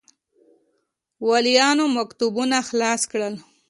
والیانو مکتوبونه خلاص کړل.